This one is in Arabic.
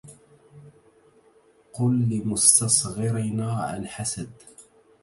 قل لمستصغرنا عن حسد